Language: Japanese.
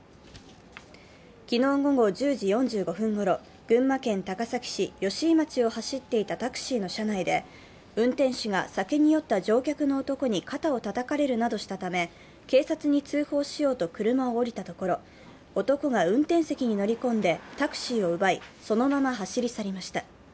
昨日午後１０時４５分ごろ群馬県高崎市吉井町を走っていたタクシーの車内で運転手が酒に酔った乗客の男に肩をたたかれるなどしたため警察に通報しようと車を降りたところ男が運転席に乗り込んでタクシーを奪いそのまま走り去りました。